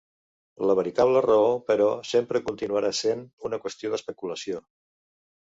La veritable raó, però, sempre continuarà sent una qüestió d'especulació.